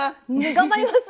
頑張ります！